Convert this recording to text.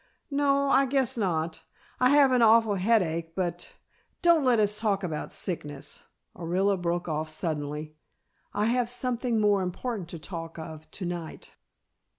"No, I guess not. I have an awful headache but don't let us talk about sickness," Orilla broke off suddenly. "I have something more important to talk of to night."